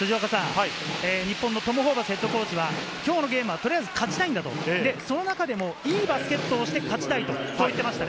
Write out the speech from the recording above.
日本のトム・ホーバスＨＣは、今日のゲームは取りあえず勝ちたい、その中でもいいバスケットをして勝ちたいと言っていました。